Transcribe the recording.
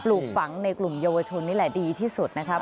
ลูกฝังในกลุ่มเยาวชนนี่แหละดีที่สุดนะครับ